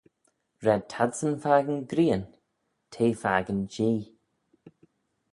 Raad t'adsyn fakin grian, t'eh fakin Jee.